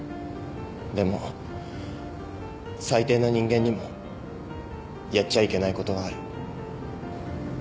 でも最低な人間にもやっちゃいけないことはある。